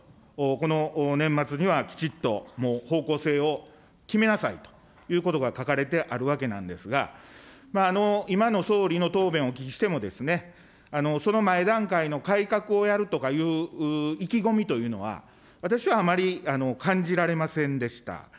この年末には、きちっと方向性を決めなさいということが書かれてあるわけなんですが、今の総理の答弁をお聞きしても、その前段階の改革をやるとかいう意気込みというのは、私はあまり感じられませんでした。